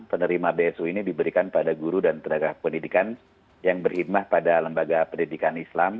penerima bsu ini diberikan pada guru dan tenaga pendidikan yang berhitmah pada lembaga pendidikan islam